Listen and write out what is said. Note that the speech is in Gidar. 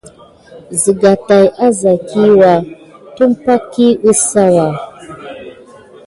Siga tät a sa kiwua tumpay kiwu kesawa.